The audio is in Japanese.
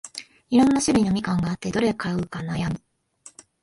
いろんな種類のみかんがあって、どれ買うか悩む